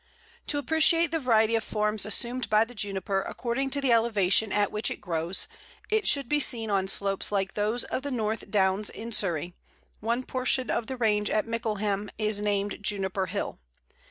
To appreciate the variety of forms assumed by the Juniper according to the elevation at which it grows, it should be seen on slopes like those of the North Downs in Surrey one portion of the range at Mickleham is named Juniper Hill.